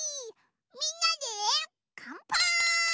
みんなでかんぱーい！